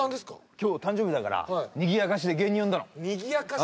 今日誕生日だからにぎやかしで芸人呼んだのにぎやかし？